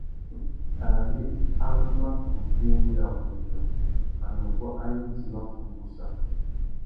Ari a mà kutu enga umbiô, anôffô ayê idjï i mà kutu gussa.